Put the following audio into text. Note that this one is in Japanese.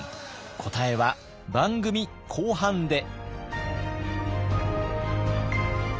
答えは番組後半で。